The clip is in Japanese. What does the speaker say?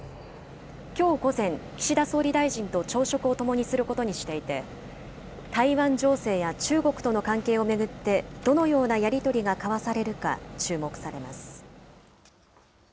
きょう午前、岸田総理大臣と朝食を共にすることにしていて、台湾情勢や中国との関係を巡って、どのようなやり取りが交わされるか注目されます。